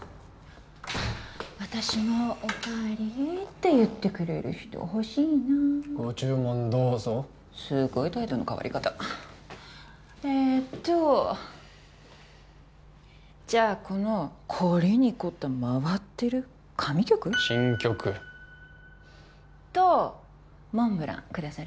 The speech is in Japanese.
私も「おかえり」って言ってくれる人ほしいなご注文どうぞすごい態度の変わり方えっとじゃあこの凝りに凝った回ってるとモンブランくださる？